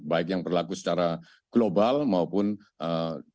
baik yang berlaku secara global maupun eee